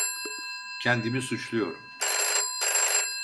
Kendimi suçluyorum.